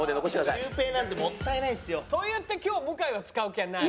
シュウペイなんてもったいないですよ。と言って今日向井は使う気はない。